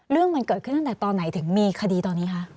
เรื่องมันเกิดขึ้นตั้งแต่ตอนไหนถึงมีคดีตอนนี้คะ